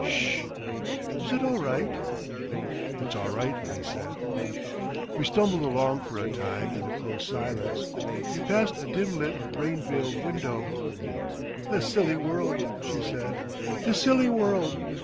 Sssh! Is it all right?" "It's all right," I said. We stumbled along for a time in a close silence. We passed a dim lit, rain veiled window. "The silly world," she said, "the silly world!